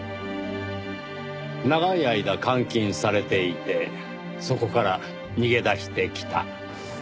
長い間監禁されていてそこから逃げ出してきた。